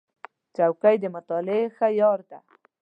چوکۍ د مطالعې ښه یار دی.